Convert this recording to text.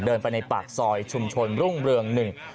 เดินไปในปากซอยชุมชนรุ่งเรืองหนึ่ง